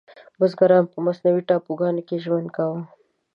بزګرانو په مصنوعي ټاپوګانو ژوند کاوه.